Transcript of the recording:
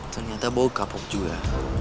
ternyata boy kapok juga